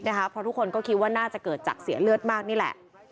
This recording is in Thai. เพราะทุกคนก็คิดว่าน่าจะเกิดจากเสียเลือดมากนี่แหละ